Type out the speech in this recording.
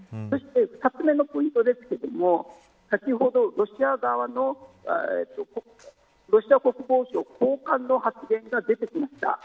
２つめのポイントですが先ほど、ロシア側のロシア国防省高官の発言が出てきました。